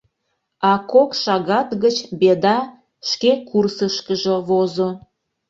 А кок шагат гыч «Беда» шке курсышкыжо возо.